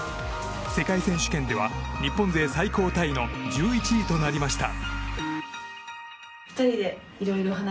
世界選手権では日本勢最高タイの１１位となりました。